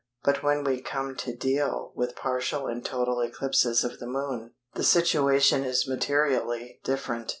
But when we come to deal with partial and total eclipses of the Moon, the situation, is materially different.